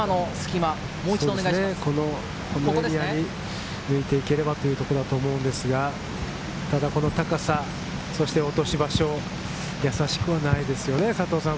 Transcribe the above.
ここを抜いていければということだと思うんですが、ただこの高さ、そして落とし場所、やさしくはないですね、佐藤さん。